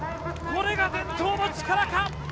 これが伝統の力か。